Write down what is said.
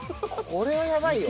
これはやばいよ。